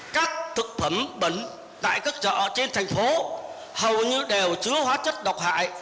các thực phẩm bẩn tại các chợ trên thành phố hầu như đều chứa hóa chất độc hại